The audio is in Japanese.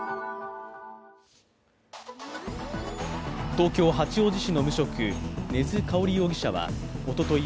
東京・八王子市の無職、根津かおり容疑者はおととい